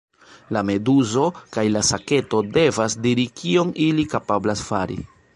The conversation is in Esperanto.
La meduzo kaj la saketo devas diri kion ili kapablas fari.